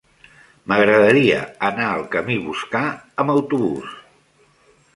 M'agradaria anar al camí Boscà amb autobús.